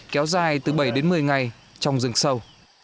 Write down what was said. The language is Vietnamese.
kéo dài từ bảy đến một mươi ngày trong rừng sâu